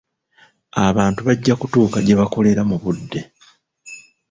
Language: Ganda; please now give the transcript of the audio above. Abantu bajja kutuuka gye bakolera mu budde.